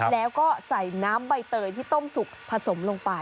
แล้วก็ใส่น้ำใบเตยที่ต้มสุกผสมลงไป